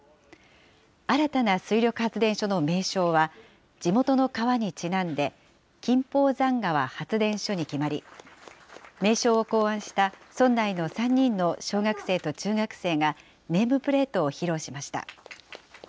新たな水力発電所の名称は、地元の川にちなんで、金峰山川発電所に決まり、名称を考案した村内の３人の小学生と中学生が、ネームプレートを披露しました。